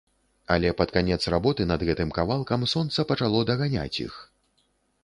Але пад канец работы над гэтым кавалкам сонца пачало даганяць іх.